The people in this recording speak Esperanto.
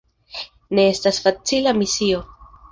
Ne estas facila misio!